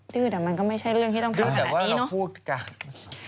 ดื้อแต่มันก็ไม่ใช่เรื่องที่ต้องพูดขนาดนี้เนอะ